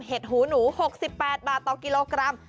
หูหนู๖๘บาทต่อกิโลกรัม